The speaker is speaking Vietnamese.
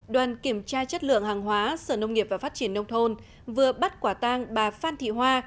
đoàn kiểm tra chất lượng hàng hóa sở nông nghiệp và phát triển nông thôn vừa bắt quả tang bà phan thị hoa